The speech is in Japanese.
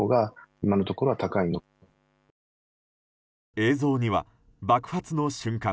映像には爆発の瞬間